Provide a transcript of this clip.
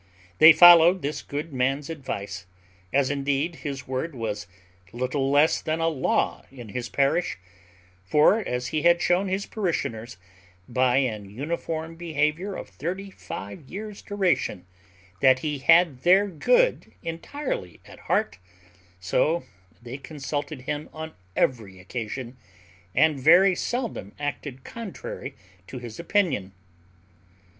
They followed this good man's advice, as indeed his word was little less than a law in his parish; for as he had shown his parishioners, by an uniform behaviour of thirty five years' duration, that he had their good entirely at heart, so they consulted him on every occasion, and very seldom acted contrary to his opinion.